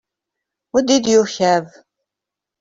What did you have?